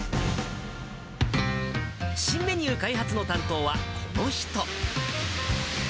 新メニュー開発の担当はこの人。